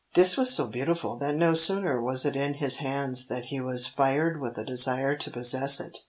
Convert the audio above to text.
This was so beautiful that no sooner was it in his hands than he was fired with a desire to possess it.